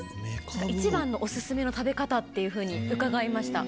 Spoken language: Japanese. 一番のお薦めの食べ方っていうふうに伺いました。